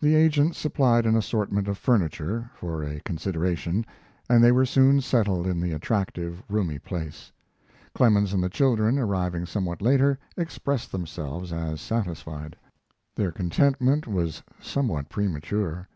The agent supplied an assortment of furniture for a consideration, and they were soon settled in the attractive, roomy place. Clemens and the children, arriving somewhat later, expressed themselves as satisfied. Their contentment was somewhat premature.